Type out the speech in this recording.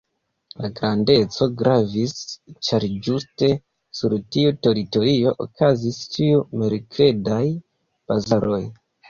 La grandeco gravis, ĉar ĝuste sur tiu teritorio okazis ĉiu-merkredaj bazaroj.